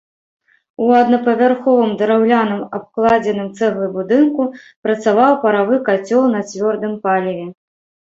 У аднапавярховым драўляным абкладзеным цэглай будынку працаваў паравы кацёл на цвёрдым паліве.